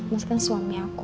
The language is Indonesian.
mas kan suami aku